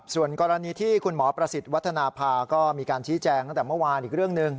ส่วนกรณีที่คุณหมอประสิทธิ์วัฒนภาก็มีการชี้แจงตั้งแต่เมื่อวานอีกเรื่องหนึ่ง